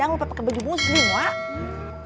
yang udah pakai baju muslim wak